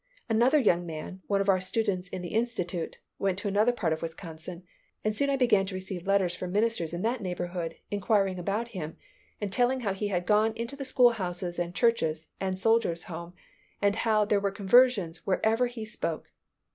Another young man, one of our students in the Institute, went to another part of Wisconsin, and soon I began to receive letters from ministers in that neighbourhood inquiring about him and telling how he had gone into the school houses and churches and Soldiers' Home and how there were conversions wherever he spoke.